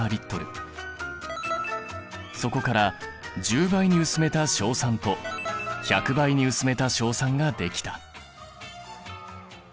そこから１０倍に薄めた硝酸と１００倍に薄めた硝酸が出来た。